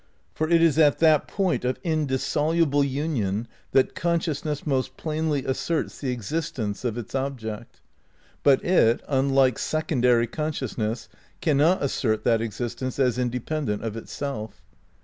For it is at that point of indissoluble union that consciousness most plainly asserts the ex istence of its object. But it, unlike secondary conscious ness, cannot assert that existence as independent of itself.